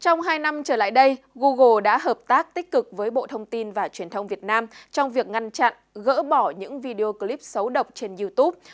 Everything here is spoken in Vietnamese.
trong hai năm trở lại đây google đã hợp tác tích cực với bộ thông tin và truyền thông việt nam trong việc ngăn chặn gỡ bỏ những video clip xấu độc trên youtube